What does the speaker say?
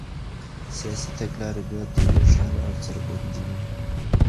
سياسي تګلاري بايد تل روښانه او څرګندې وي.